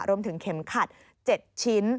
รวมถึงเข็มขัด๗ชิ้น